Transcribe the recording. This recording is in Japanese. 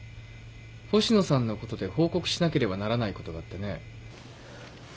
星野さんのことで報告しなければならないことがあってね。